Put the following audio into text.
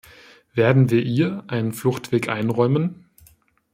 Werden wir ihr einen Fluchtweg einräumen?